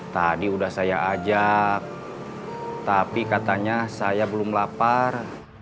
tadi udah saya ajak tapi katanya saya belum lapar